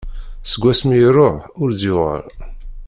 Seg wasmi i iruḥ ur d-yuɣal.